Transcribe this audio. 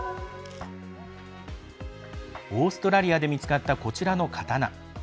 オーストラリアで見つかったこちらの刀。